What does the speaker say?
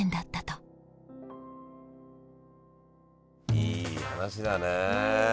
いい話だね。